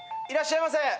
いらっしゃいませ。